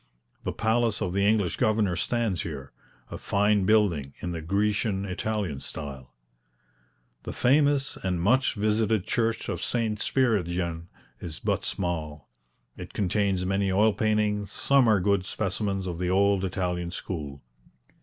The palace of the English governor stands here; a fine building in the Grecian Italian style. The famous and much visited church of St. Spiridion is but small; it contains many oil paintings, some are good specimens of the old Italian School.